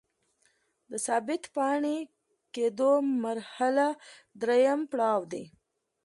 د ثابت پاتې کیدو مرحله دریم پړاو دی.